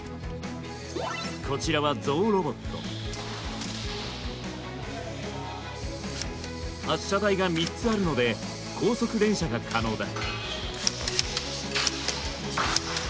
こちらは発射台が３つあるので高速連射が可能だ。